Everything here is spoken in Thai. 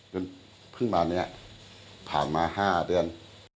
เพิ่งมาเนี่ยผ่านมา๕เดือน